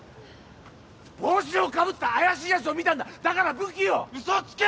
帽子をかぶった怪しいやつを見たんだだから武器をウソつけ！